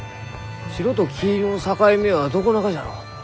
白と黄色の境目はどこながじゃろう？